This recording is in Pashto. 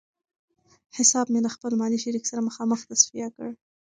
حساب مې له خپل مالي شریک سره مخامخ تصفیه کړ.